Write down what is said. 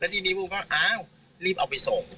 คือตอนนั้นหมากกว่าอะไรอย่างเงี้ย